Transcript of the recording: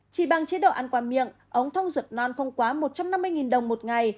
chỉ bằng chế độ ăn quà miệng ống thông ruột non không quá một trăm năm mươi đồng một ngày